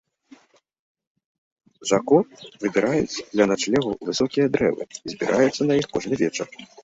Жако выбіраюць для начлегу высокія дрэвы і збіраюцца на іх кожны вечар.